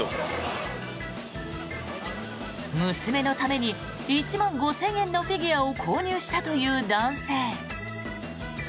娘のために１万５０００円のフィギュアを購入したという男性。